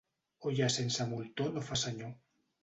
Olla sense moltó no fa senyor.